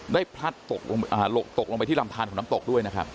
พลัดตกลงไปที่ลำทานของน้ำตกด้วยนะครับ